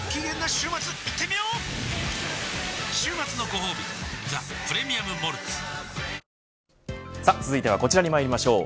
週末のごほうび「ザ・プレミアム・モルツ」続いてはこちらにまいりましょう。